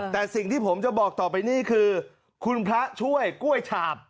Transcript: แต่สิ่งที่ผมจะบอกต่อไปนี่คือคุณพระช่วยกล้วยฉาบ